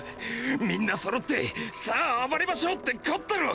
みんな揃ってさァ暴れましょうってこったろ！？